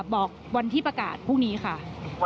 บอกวันที่ประกาศพรุ่งนี้ค่ะ